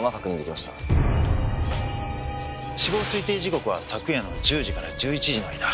死亡推定時刻は昨夜の１０時から１１時の間。